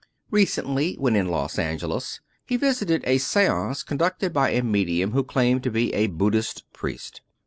Recently, when in Los Angeles, he visited a seance con ducted by a medium who claimed to be a Buddhist priest.